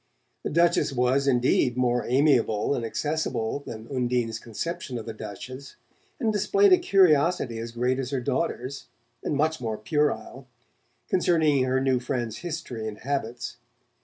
The Duchess was, indeed, more amiable and accessible than Undine's conception of a Duchess, and displayed a curiosity as great as her daughter's, and much more puerile, concerning her new friend's history and habits.